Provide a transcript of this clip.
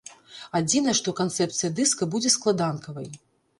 Адзінае, што канцэпцыя дыска будзе складанкавай.